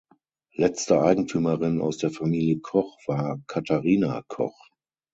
Letzte Eigentümerin aus der Familie Koch war Catharina Koch.